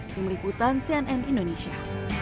pemilik hutan cnn indonesia